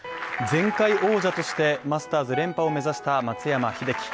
前回王者として、マスターズ連覇を目指した松山英樹。